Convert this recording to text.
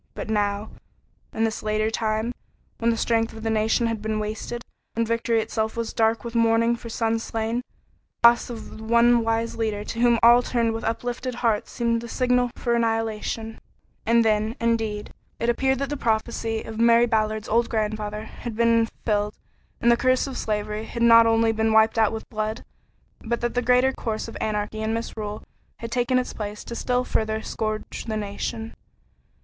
But now, in this later time, when the strength of the nation had been wasted, when victory itself was dark with mourning for sons slain, the loss of the one wise leader to whom all turned with uplifted hearts seemed the signal for annihilation; and then, indeed, it appeared that the prophecy of Mary Ballard's old grandfather had been fulfilled and the curse of slavery had not only been wiped out with blood, but that the greater curse of anarchy and misrule had taken its place to still further scourge the nation.